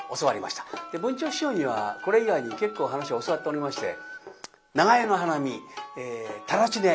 文朝師匠にはこれ以外に結構噺を教わっておりまして「長屋の花見」「たらちね」